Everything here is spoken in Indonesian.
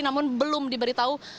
namun belum diberitahu